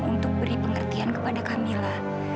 untuk beri pengertian kepada kamila